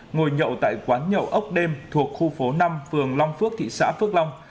ngồi nhậu tại quán nhậu ốc đêm thuộc khu phố năm phường long phước thị xã phước long